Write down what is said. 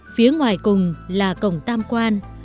phía ngoài cùng là cổng tam quan